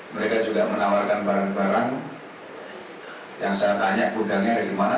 mereka juga menawarkan barang barang yang saya tanya gudangnya ada di mana